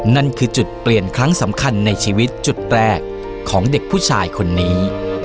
นั่นคือจุดเปลี่ยนครั้งสำคัญในชีวิตจุดแรกของเด็กผู้ชายคนนี้